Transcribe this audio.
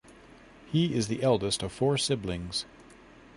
He is the eldest of four siblings.